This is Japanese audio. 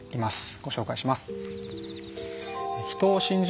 ご紹介します。